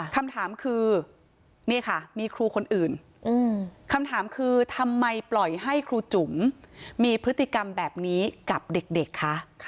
คำถามคือนี่ค่ะมีครูคนอื่นคำถามคือทำไมปล่อยให้ครูจุ๋มมีพฤติกรรมแบบนี้กับเด็กคะ